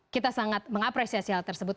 kita sangat mengapresiasi hal tersebut